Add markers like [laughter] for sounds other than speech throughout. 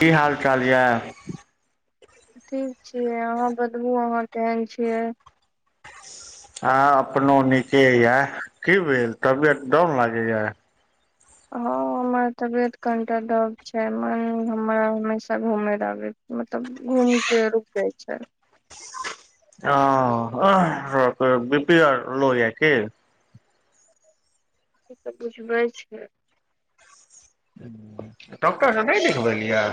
की हाल चाल यऽ ठीक छीियै अहाँ बतबु अहाँ केहन छियै आ अपनो नीके या की भेल तबियत डाउन लागे य ह हमर तबियत कनिटा डब छै मन हमरा हमेशा घूमे आबे मतलब घूम के रुकि जाइ छै ओ बिपी आर लो या की ई सब बुझबै छै डॉक्टर स नहि देखबेलियए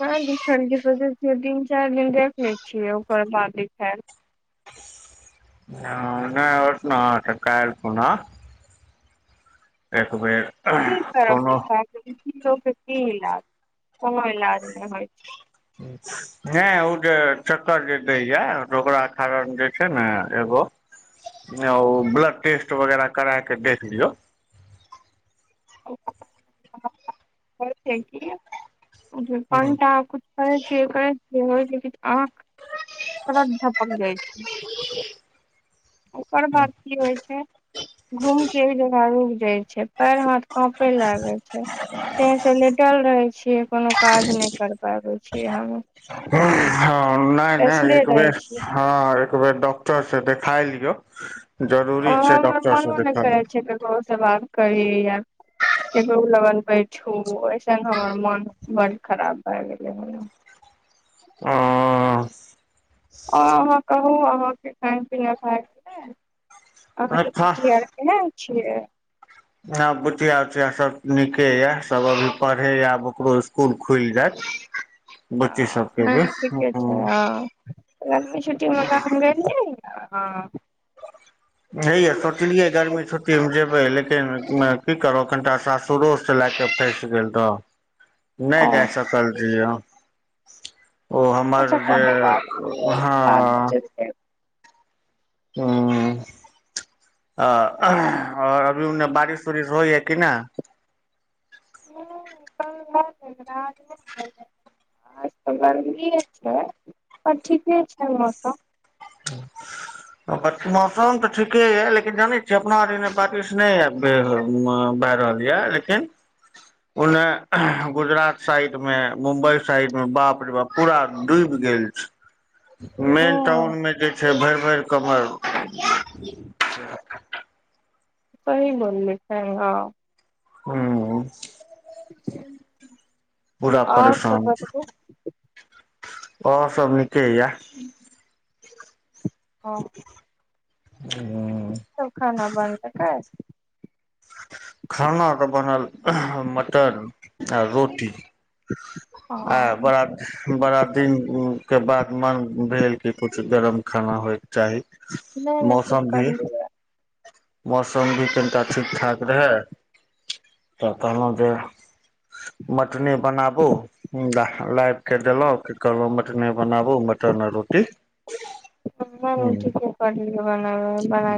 पढ़ लिख [unintelligible] ल सोचै छियै तीन चार दिन देख लै छियै ओकर बाद देखेब ह नहि हो [unintelligible] त न तऽ काल पुनः एक बेर उ कर कोनो उसो के की इलाज कोनो इलाज नहि होइ छै [unintelligible] ठीक नै उ जे चक्कर जे दैया ओकरा कारण जे छै ने एगो नेउ ब्लड टेस्ट वगैरह करा के देख लियौ ओ [unintelligible] [unintelligible] पटा कछु कर छी कर छी हो छै आँख त धपक जाइ छै [unintelligible] [unintelligible] ओकर बाद की होइ छै घूम के एक जगह रुक जाय छै पैर हाथ कऽपे लागे छै ते से लेटल रहे छियै कोनो काज नहि करबाबै छै हम हँ नहि नहि बैसले एक रहै बेर छियै हँ एकबेर डॉक्टर स देखाय लियौ जरूरी छै डॉक्टर से देखेना जेकर बौस [unintelligible] सब बा [unintelligible] त करी य एगो लगन बैठू ओइसन हमर मोन बड्ड खराब भए गेलै हन हं अहाँ कहू अहाँ के खान पीना भए गेलै अहाँ के पुच्चिया आब केहन छियै ह बुचिया उचिया सब नीके ये सब अभी पढ़े या आब ओकरो स् कूल खुल जायत बुच्ची सबके अऽ नहि भी नहि ठीके छै हं गरमि छुट्टी म गाम गे ल हॅं नहि य सोचलियै गर्मी छुट्टी मे जेबै लेकिन की करो कनिटा सासुरो से लए के फसि गेल रहऽ नहि जा ओ सकल रहियै हम ओ हमर अच्छा जे कोनो बात हँ छै ह ह ह बादमे चलतै ह ओर अभी ओने बारिश उरिश होइ ह [unintelligible] कि नै [unintelligible] आ तऽ गर्मिए छै ओर ठीके छै मौसम मौसम तऽ ठीके यऽ लेकिन जानै छी अपना आर एने बारिश नहि येत भए रहल यऽ लेकिन ओने गुजरात साइड में मुम्बई साइड में बाप रे बाप पूरा डूइब गेल [inaudible] हँ मेन टाउनमे जे छै भरि भरि कमर सही वन में छै [unintelligible] हुॅं हुं पुरा आओर सब परेशान छै बतबू और सब नीके या ह ह कि सब खाना बनलकै खाना तऽ बनल मटर आ रोटी आ हँ बड़ा बड़ा दिन के बाद मन भेल क पु कि गरम खाना होइके चाही नहि नहि ठीक मौसम भी करलिय मौसम भी कनिटा ठीक ठाक रहै तऽ कहलहुँ जे मटने बनाबू? लाइब कऽ देलक कहलौ मटने बनाबू मटन आ रोटी ह्म हूँ ठीके कहलिये पल बना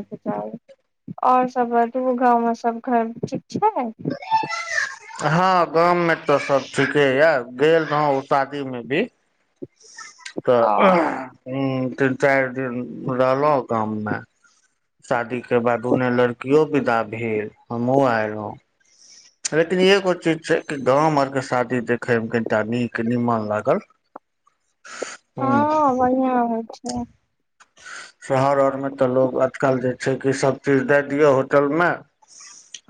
ओर सभ बाजू गाँवमे सभ घर ठीक छै। हँ, गाममे तऽ सभ ठीके यऽ गेल रहु शादीमे भी [inaudible] तऽ ओ तीन चारि दिन रहलहुँ गाममे शादीके बाद उन्ने लड़कियो विदा भेल हमहुं एलहु लेकिन एगो चीज छै। कि गाम आरके शादी देखयमे केतेक नीक निमन लागल। हू हँ बढ़िया होइ छै [unintelligible] शहर ओरमे तऽ लोक आजकल जे छै कि सभ चीज दए दियौ होटलमे।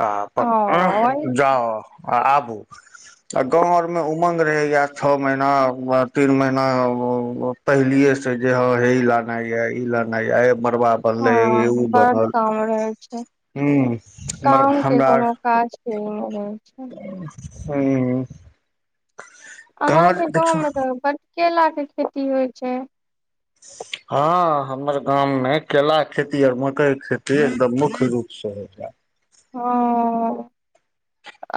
आ ओ वही अपन जाउ आबू। आ गाँव आरमे उमंग रहैआ छओ महीना तीन महीना पहिलियेसे जे हे ई लानइ ये इ लाना ये आ मड़बा। बनले हे हँ उ बड़ बनल काम रहै छै। हूं मर काम के हमरा कोनो काज [unintelligible] हूँ अहाँकेँ गाँवमे तऽ बट केला के खेती होइ छै? [inaudible] हँ, हमर गाममे केलाक खेती आ ओर मकइके खेती एकदम मुख्य रूपसे होइए ह।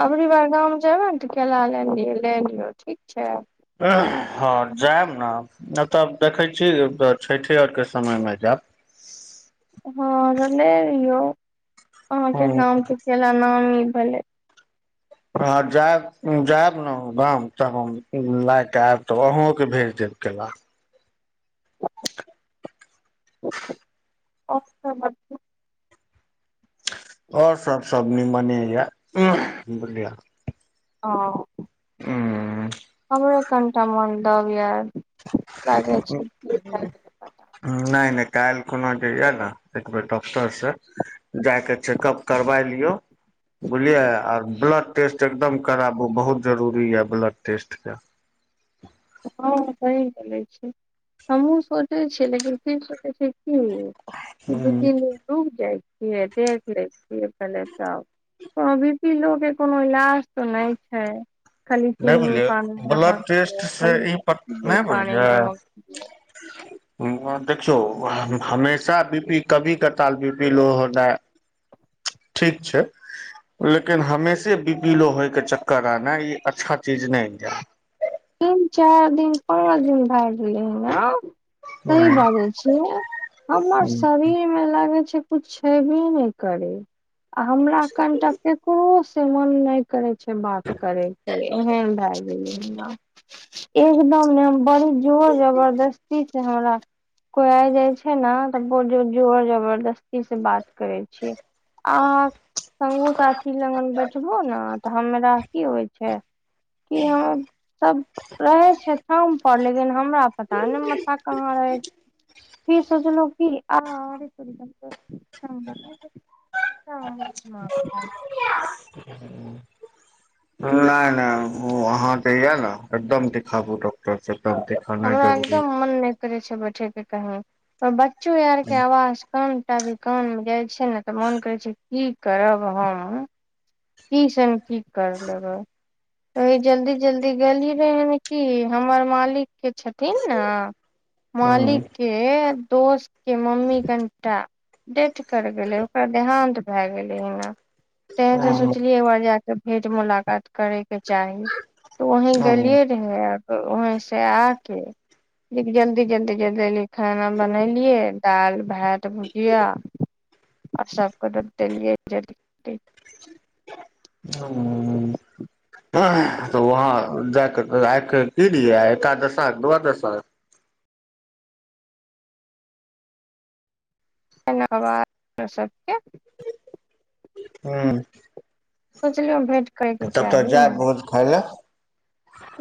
आबरी बार गाँम जेबै ने तऽ केला ले लियो ठीक छै। हँ, जायब ने नहि तऽ देखै छी छथि आरके समयमे जायब हँ, लेरहि अहाँकेँ हँ गामके केला नामी भेलै। हँ, जायब जायब ने गाम तब हम लए कऽ आयब तऽ अहूँकेँ भेज देब केला अच्छा ओर सभ निमने य बुझलिय। ओ। हूँ। हमरे कनिटा मोन दब या [unintelligible] नहि नहि काल्हि खुना जे यए ने एकबेर डॉक्टर से जाके चेकप करबा लियौ? बुझलियै? आर ब्लड टेस्ट एकदम कराबू बहुत जरूरी यऽ ब्लड टेस्टके। हँ, सही कहे छै हमहूँ सोचै छियै लेकिन फिर सोचै छियै की। दू तीन दिन रुक जाइ छियै देखलै छियै पहिले तऽ हा बि पी लाउके कोनो इलाज तऽ नहि छै खाली नहि चीनी बुझलियै पानी ब्लड नमक टेस्ट दियौ से खाली ई चीनी पानी नमक [inaudible] देखियो हमेशा बीपी कभी कताल बीपी लो हो ठीक छै। लेकिन हमेशे बिपीलो होयके चक्कर आना ई अच्छा चीज नहि य। तीन चार दिन पाँच दिन भए गेलै ह सही नहि बाजै छियै हमर शरीरमे लागै छै कुछ हेबे नहि करे आ हमरा कनिटा केकरो से मन नहि करे बात करेके एहन भए गेलै ह एकदम ने बड़ी जोर जबरदस्ती छै हमरा। कोइ आ जाय छै ने तऽ जोर जबरदस्तीसे बात करै छीयै आ समोसा कि लग बैठबो ने तऽ हमरा की होइ छै कि यहाँ रहे छै ठाम पर लेकिन हमरा पता नइ माथा कहाँ रहै छै फिर सोचलो की ह आ ह ह [unintelligible] नहि नहि ओ अहाँके य ने एकदम देखाबू डॉक्टर से एकदम देखाना हमरा जरूरी एकदम मन नइ करै छै बैठे के कहीं पर बच्चो आर के आवाज कामटाभी कान मे जाइ छै ने तऽ मन करै छै की करब हम कीसन की कर लेबै वहि जल्दी जल्दी गेली रहे ह कि हमर मालिक के थिन ने हँ मालिक के दोस्त के मम्मी कनि टा डेथ करि गेलै ओकरा देहान्त भए गेलै हना ते से हँ सोचलियै एक बार जाकऽ भेंट मुलाकात करेके चाही तऽ वहीं हँ। गेलियै वहीं से आके देख जल्दी जल्दी जल्दी अलिय खाना बनेलियै दालि भात भुजिया अ सब क देलियएिय ह्म्म तऽ वहाँ जाके रखिक की दियै एक दशा दूादशा तना बाद सबके ह सोचलियै भेंट करे के तब तऽ चाही जायब भोज खाय लए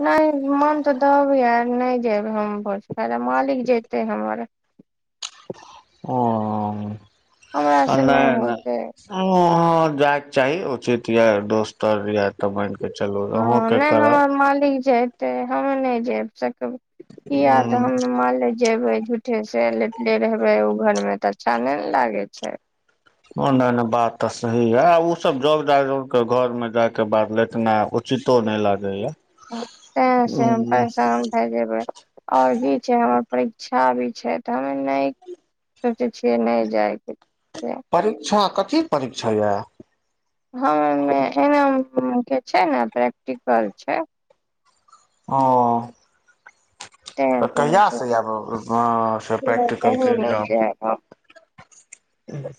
नइ मोन तऽ दबऽ एय नइ जेबै हम भ सकैय मालिक जेतै हमर ओ हमरा अ से नहि ह होते ह जायके चाही उचित यऽ दोस्त आर यऽ तऽ मानिके चलो हँ नहि हमर मालिक छै त हम नहि जेब सकब किया ह त हम माने जेबे झूठे से लेटले रहबे घर में तऽ अच्छा ने ने लागे छै ओ नइ नइ बात तऽ सही है आ ओ सब ज जा के घर में जाय के बाद लेटना चितो नइ लागेया ते से हम परेशान भए जेबै आओर भी छै हमर परीक्षा भी छै तऽ हमे नहि सोचै छियै नइ जायके परीक्षा कथी परीक्षा यऽ हमे एम ए छै ने प्रैक्टिकल छै ह तें तऽ से नहि कहियासँ सोचै आयब से प्रैक्टिकलके कहीं नहि एग्जाम जायब हम ह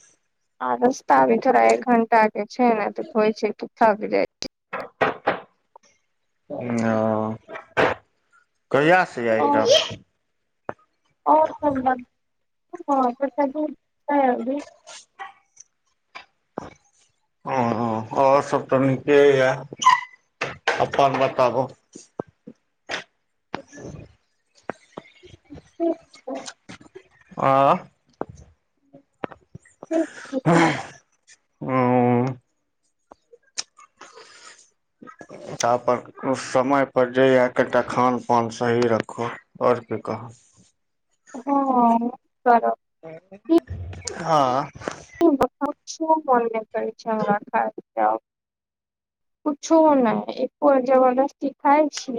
आ रस्ता थोड़ा एक घंटा के छै ने तऽ होइ छै तूथा भी जाइ छै यो कहिआ सँ यह इगजाम आओर हँ [unintelligible] ह और सब तऽ नीके यऽ अपन बताबू ठीक छै आ ह त अपन समयपर जे यए कनिटा खान पान सही राखू और की कहू हँ कर हँ हमरा किछो मन नइ करै छै हमरा खाय के आब किछो नहि एको जँ जबदस्ती गाय छी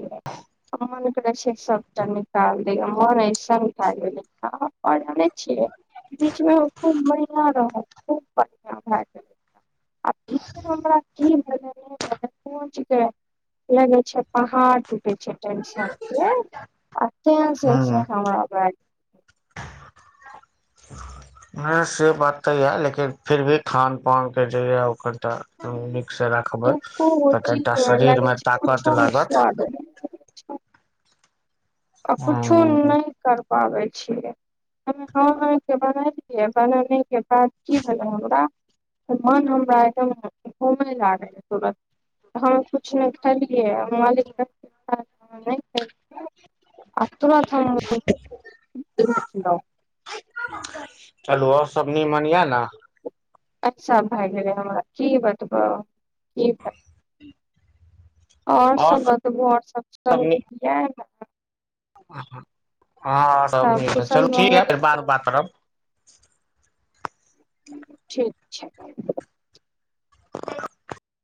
[unintelligible] छीयै बीचमे खूब बढ़िआं रहय खूब बढ़िया भए गेल [unintelligible] पहुंच के लगे छैय पहाड़ टूटै छैय। [unintelligible] हँ से बात तऽ य लेकिन फिर भी खान पान के जे यिका देखबै एको गो तऽ चीज कनिटा मे लगे शरीरमे छै ताकत कुछो मे लागत। स्वाद नहि आ किछो ह नहि कर पाबैत छियै हम अहाँके बना बनने के बाद की भेलै हमरा मन हमराद घूमै लागल [unintelligible] हम किछु नहि खेलियै आ मालिक [unintelligible] आ तुरत हम [unintelligible] हेलो सब निमन यऽ ने? [unintelligible] और सब बतबु और सब ठिक यै? हँ सब नीक है कुशल चलू ठीक है मंगल फेर बाद मे बात करब। ठीक छैय।